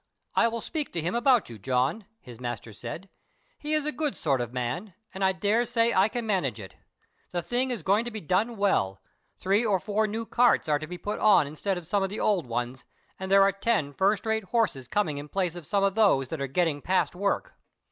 "I will speak to him about you, John," his master said; "he is a good sort of man, and I daresay I can manage it. The thing is going to be done well. Three or four new carts are to be put on instead of some of the old ones, and there are ten first rate horses coming in place of some of those that are getting past work.